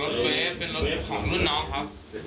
เฟสเป็นรถของรุ่นน้องครับ